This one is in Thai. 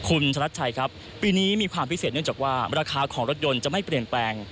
คุณธนัดชัยครับปีนี้มีความพิเศษเนื่องจากว่าราคาของรถยนต์จะไม่เปลี่ยนแปลง